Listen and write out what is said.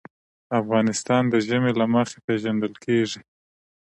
افغانستان د ژمی له مخې پېژندل کېږي.